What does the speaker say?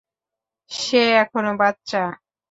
সে এখনো বাচ্চা।